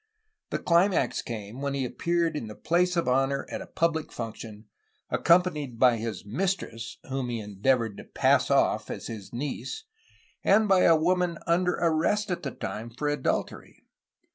The climax came when he appeared in the place of honor at a public function, accom panied by his mistress (whom he had endeavored to ''pass 473 474 A HISTORY OF CALIFORNIA ofif^' as his niece) and by a woman under arrest at the time for adultery.